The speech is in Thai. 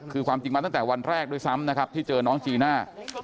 คือความจริงมาตั้งแต่วันแรกด้วยซ้ำนะครับที่เจอน้องจีน่า